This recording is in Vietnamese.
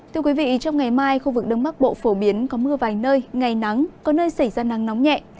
trong ngày mai khu vực đông bắc bộ phổ biến có mưa vài nơi ngày nắng có nơi xảy ra nắng nóng nhẹ